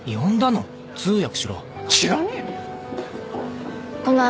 知らねえよ！